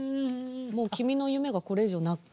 もう君の夢がこれ以上ない。